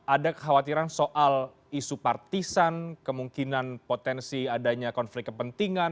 ada kekhawatiran soal isu partisan kemungkinan potensi adanya konflik kepentingan